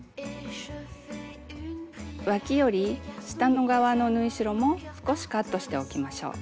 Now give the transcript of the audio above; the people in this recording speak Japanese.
わきより下の側の縫い代も少しカットしておきましょう。